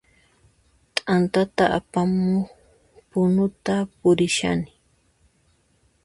T'anta apamuq punuta purishani